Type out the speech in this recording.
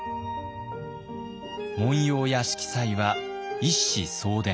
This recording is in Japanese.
紋様や色彩は一子相伝。